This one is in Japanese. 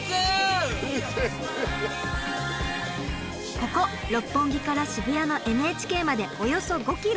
ここ六本木から渋谷のＮＨＫまでおよそ５ｋｍ。